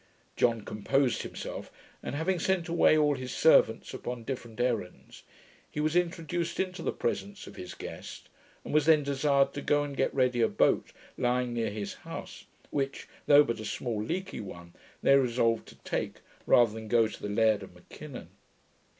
John composed himself, and having sent away all his servants upon different errands, he was introduced into the presence of his guest, and was then desired to go and get ready a boat lying near his house, which, though but a small leaky one, they resolved to take, rather than go to the Laird of M'Kinnon.